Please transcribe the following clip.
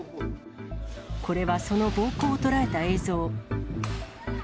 これはその暴行を捉えた映像。